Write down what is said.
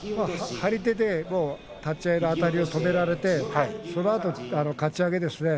張り手で立ち合いのあたりを止められてそのあとのかち上げですね。